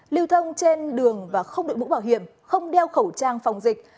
liều thông trên đường và không đợi bũ bảo hiểm không đeo khẩu trang phòng dịch